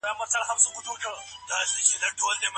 ایا د ناول کرکټرونه رښتیني خلک دي؟